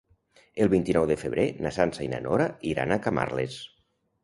El vint-i-nou de febrer na Sança i na Nora iran a Camarles.